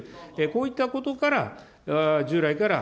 こういったことから従来から、